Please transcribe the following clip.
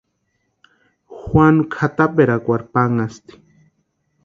Juanu kʼataperakwarhu panhasti.